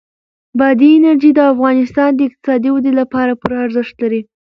بادي انرژي د افغانستان د اقتصادي ودې لپاره پوره ارزښت لري.